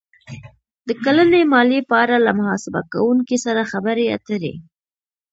-د کلنۍ مالیې په اړه له محاسبه کوونکي سره خبرې اتر ې